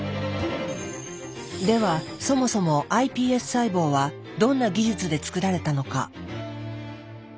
ではそもそもｉＰＳ細胞はどんな技術で作られたのか。